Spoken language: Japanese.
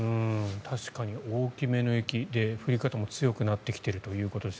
確かに大きめの雪で降り方も強くなってきているということです。